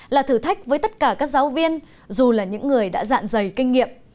là thử thách với tất cả các giáo viên dù là những người đã dạng dày kinh nghiệm